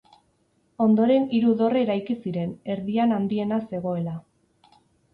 Ondoren hiru dorre eraiki ziren, erdian handiena zegoela.